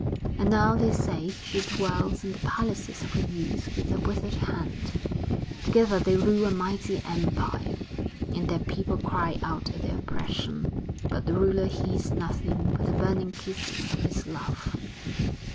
And now they say she dwells in the palaces of a youth with a withered hand; together they rule a mighty empire, and their people cry out at the oppression, but the ruler heeds nothing but the burning kisses of his love.